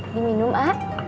ini minum ah